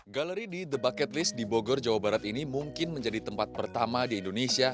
galeri di the bucket list di bogor jawa barat ini mungkin menjadi tempat pertama di indonesia